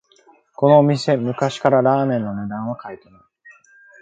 このお店、昔からラーメンの値段は変えてない